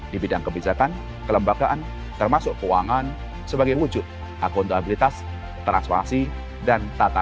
di bidang kebijakan kelembagaan termasuk keuangan sebagai wujud akuntabilitas transparansi dan tata